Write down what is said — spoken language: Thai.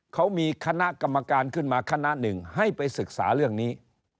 เขามีคณะกรรมการขึ้นมาคณะหนึ่งให้ไปศึกษาเรื่องนี้